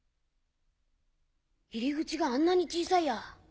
入り口があんなに小さいや。